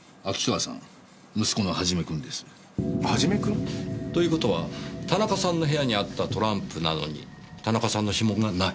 元君？という事は田中さんの部屋にあったトランプなのに田中さんの指紋がない？